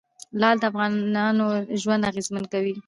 لعل د افغانانو ژوند اغېزمن کوي.